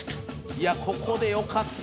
いやここでよかった。